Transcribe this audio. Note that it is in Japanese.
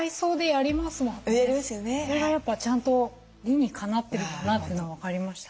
それがちゃんと理にかなってるんだなというのが分かりました。